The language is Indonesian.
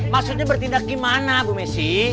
maksudnya bertindak gimana bu messi